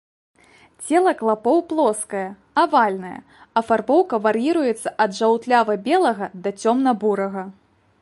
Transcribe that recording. Цела клапоў плоскае, авальнае, афарбоўка вар'іруецца ад жаўтлява-белага да цёмна-бурага.